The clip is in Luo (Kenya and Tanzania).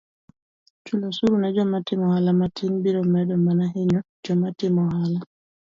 chulo osuru ne joma timo ohala matin biro medo mana hinyo joma timo ohala